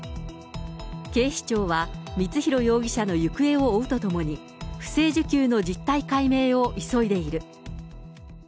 警視庁は光弘容疑者の行方を追うとともに、不正受給の実態解明を急いでいる。